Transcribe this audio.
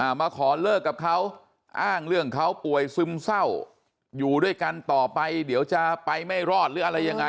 มาขอเลิกกับเขาอ้างเรื่องเขาป่วยซึมเศร้าอยู่ด้วยกันต่อไปเดี๋ยวจะไปไม่รอดหรืออะไรยังไง